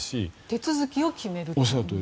手続きを決めると。